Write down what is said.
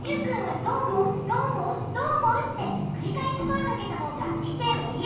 どうおもう？」ってくりかえしこえをかけたほうがいけんを言いやすいよ。